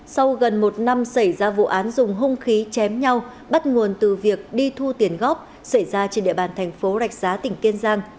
sau gần một năm xảy ra vụ án dùng hung khí chém nhau bắt nguồn từ việc đi thu tiền góp xảy ra trên địa bàn thành phố rạch giá tỉnh kiên giang